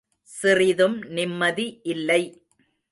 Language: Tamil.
சிறிதும் நிம்மதி இல்லை.